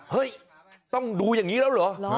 เห้ยต้องดูอย่างนี้หรือ